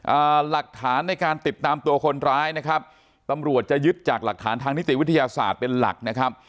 อ่าหลักฐานในการติดตามตัวคนร้ายนะครับตำรวจจะยึดจากหลักฐานทางนิติวิทยาศาสตร์เป็นหลักนะครับ